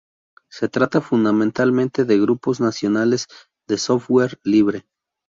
Se trata fundamentalmente de grupos nacionales de Software Libre.